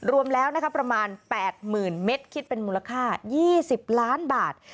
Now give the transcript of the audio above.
รวมแล้วนะคะประมาณ๘๐๐๐เมตรคิดเป็นมูลค่า๒๐ล้านบาท